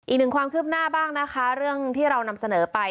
อีกหนึ่งความคืบหน้าบ้างนะคะเรื่องที่เรานำเสนอไป